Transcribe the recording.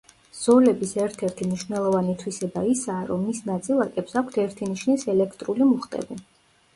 ზოლების ერთ-ერთი მნიშვნელოვანი თვისება ისაა, რომ მის ნაწილაკებს აქვთ ერთი ნიშნის ელექტრული მუხტები.